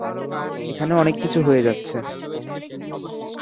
এখানে অনেক কিছু হয়ে যাচ্ছে!